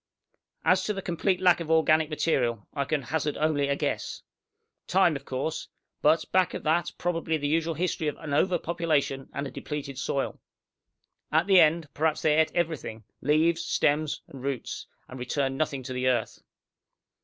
"As to the complete lack of organic material, I can hazard only a guess. Time, of course. But, back of that, probably the usual history of an overpopulation, and a depleted soil. At the end, perhaps they ate everything, leaves, stems and roots, and returned nothing to the earth."